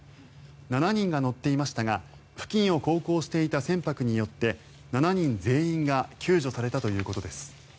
７人が乗っていましたが付近を航行していた船舶によって７人全員が救助されたということです。